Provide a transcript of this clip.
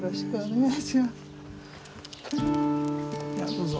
どうぞ。